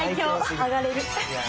あがれる。